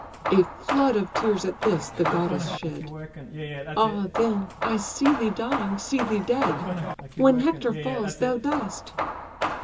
A flood of tears, at this, the goddess shed: "Ah then, I see thee dying, see thee dead! When Hector falls, thou diest."